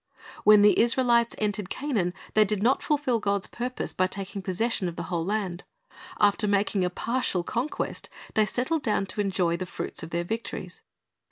When the Israelites entered Canaan, they did not fulfil God's purpose by taking possession of the whole land. After making a partial conquest, they settled down to enjoy the fruit of their victories.